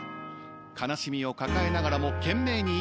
悲しみを抱えながらも懸命に生きていく。